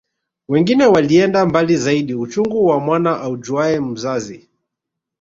Wengine walienda mbali zaidi uchungu wa mwana aujuae mzazi